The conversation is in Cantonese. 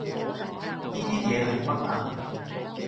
呢支嘢係乜啊？